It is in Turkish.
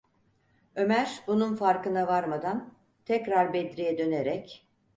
Ömer bunun farkına varmadan, tekrar Bedri’ye dönerek: